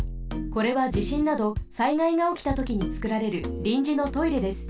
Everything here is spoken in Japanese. これはじしんなど災害がおきたときにつくられるりんじのトイレです。